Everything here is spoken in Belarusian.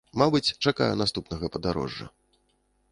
Мабыць, чакаю наступнага падарожжа.